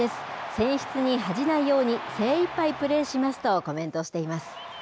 選出に恥じないように、精いっぱいプレーしますとコメントしています。